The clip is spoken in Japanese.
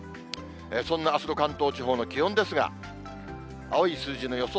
そんなあすの関東地方の気温ですが、青い数字の予想